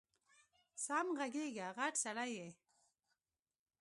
سم غږېږه غټ سړی یې